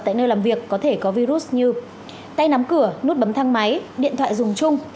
tại nơi làm việc có thể có virus như tay nắm cửa nút bấm thang máy điện thoại dùng chung